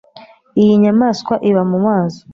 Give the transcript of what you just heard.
Iyi nyamaswa iba mu mazi